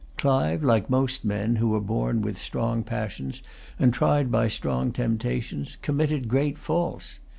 Clive, like most men who are born with strong passions and tried by strong temptations, committed great faults.